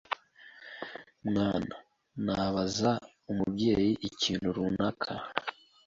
mwana nabaza umubyeyi ikintu runaka